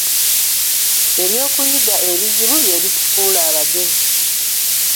Eby'okuyiga ebizibu bye bitufuula abagezi.